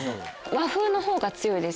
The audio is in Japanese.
和風のほうが強いです